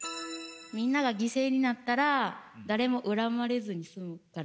みんなが犠牲になったら誰も恨まれずに済むから。